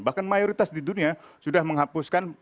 bahkan mayoritas di dunia sudah menghapuskan